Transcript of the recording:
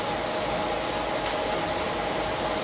ต้องเติมเนี่ย